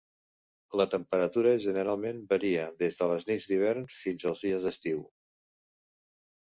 La temperatura generalment varia des de les nits d'hivern fins als dies d'estiu.